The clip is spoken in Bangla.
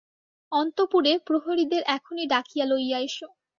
অন্তঃপুরে প্রহরীদের এখনই ডাকিয়া লইয়া এস।